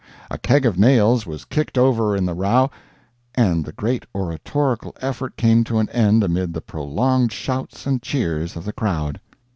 A keg of nails was kicked over in the row, and the great oratorical effort came to an end amid the prolonged shouts and cheers of the crowd.